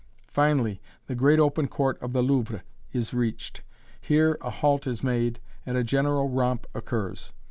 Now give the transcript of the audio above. Finally the great open court of the Louvre is reached here a halt is made and a general romp occurs.